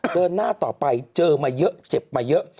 เดินหน้าต่อไปเจอมาเยอะเจ็บมาเยอะ